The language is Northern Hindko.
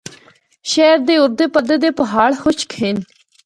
شہرا دے اُردے پردے دے پہاڑ خشک ہن۔